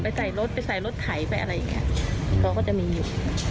ใส่รถไปใส่รถไถไปอะไรอย่างเงี้ยเขาก็จะมีอยู่